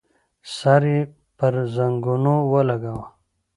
سر يې پر زنګنو ولګاوه.